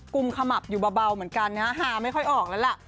ุมขมับอยู่เบาเหมือนกันนะฮะฮาไม่ค่อยออกแล้วล่ะ